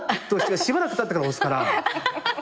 しばらくたってから押すから。